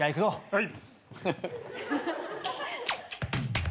はい。